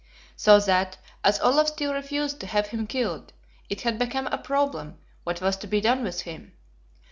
So that, as Olaf still refused to have him killed, it had become a problem what was to be done with him.